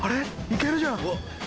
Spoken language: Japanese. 行けるじゃん。